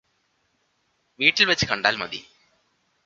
വീട്ടിൽവെച്ച് കണ്ടാൽ മതി